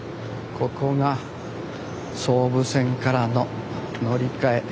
ここが総武線からの乗り換え銚子駅。